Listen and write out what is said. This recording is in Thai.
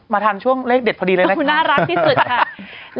มาทำช่วงเลขเด็ดพอดีเลยนะคุณน่ารักที่สุดค่ะ